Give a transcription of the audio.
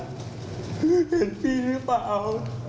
พี่เห็นพี่หรือเปล่า